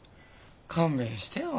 勘弁してよ